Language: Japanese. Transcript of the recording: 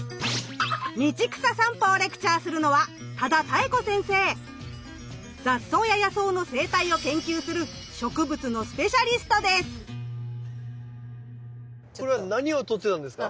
道草さんぽをレクチャーするのは雑草や野草の生態を研究するこれは何を撮ってたんですか？